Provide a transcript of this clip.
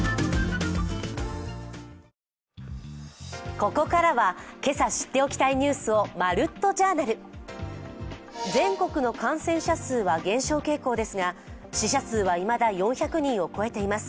ここからは今朝知っておきたいニュースを「まるっと！Ｊｏｕｒｎａｌ」全国の感染者数は減少傾向ですが死者数はいまだ４００人を超えています。